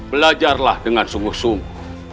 belajarlah dengan sungguh sungguh